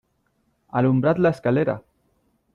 ¡ alumbrad la escalera!...